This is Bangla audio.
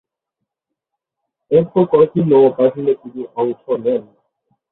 এরপর কয়েকটি নৌ অপারেশনে তিনি অংশ নেন।